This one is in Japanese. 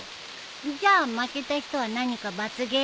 じゃあ負けた人は何か罰ゲームね。